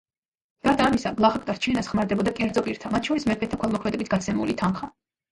გარდა ამისა, გლახაკთა რჩენას ხმარდებოდა კერძო პირთა, მათ შორის მეფეთა, ქველმოქმედებით გაცემული თანხა.